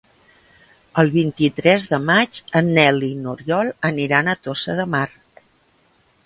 El vint-i-tres de maig en Nel i n'Oriol aniran a Tossa de Mar.